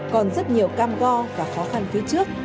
còn rất nhiều cam go và khó khăn phía trước